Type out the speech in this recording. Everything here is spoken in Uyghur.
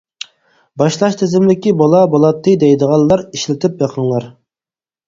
باشلاش تىزىملىكى بولا بولاتتى دەيدىغانلار ئىشلىتىپ بېقىڭلار.